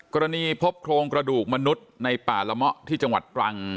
กรณีพบโครงกระดูกมนุษย์ในป่าละเมาะที่จังหวัดตรัง